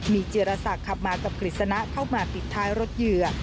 มีเจรศักดิ์ขับมากับกฤษณะเข้ามาปิดท้ายรถเหยื่อ